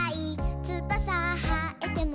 「つばさはえても」